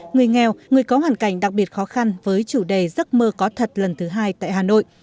người nghèo người có hoàn cảnh đặc biệt khó khăn với chủ đề giấc mơ có thật lần thứ hai tại hà nội